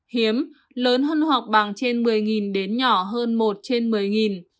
hiếm lớn hơn hoặc bằng trên một mươi đến nhỏ hơn một trên một mươi